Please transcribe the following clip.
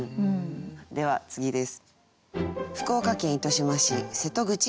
では次です。